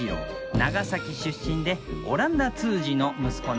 長崎出身でオランダ通詞の息子なんじゃ。